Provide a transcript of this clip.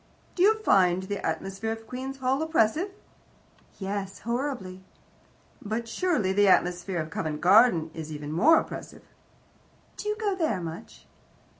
"Do you find the atmosphere of Queen's Hall oppressive?" "Yes, horribly." "But surely the atmosphere of Covent Garden is even more oppressive." "Do you go there much?"